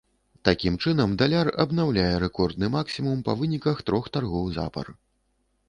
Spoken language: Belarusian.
Такім чынам даляр абнаўляе рэкордны максімум па выніках трох таргоў запар.